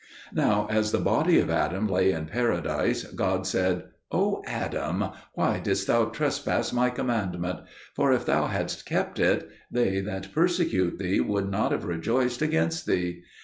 Now as the body of Adam lay in Paradise, God said, "O Adam, why didst thou transgress My commandment? For if thou hadst kept it, they that persecute thee would not have rejoiced against thee.